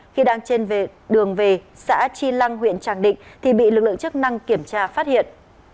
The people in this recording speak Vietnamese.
khi đang trên đường về xã chi lăng huyện tràng định thì bị lực lượng chức năng kiểm tra phát hiện